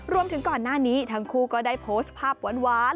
รวมถึงก่อนหน้านี้ทั้งคู่ก็ได้โพสต์ภาพหวาน